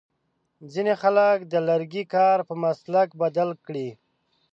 ځینې خلک د لرګي کار په مسلک بدل کړی.